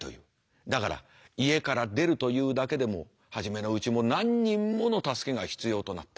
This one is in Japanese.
だから家から出るというだけでも初めのうちも何人もの助けが必要となった。